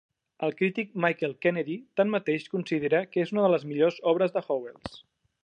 El crític Michael Kennedy, tanmateix, considera que és una de les millors obres de Howells.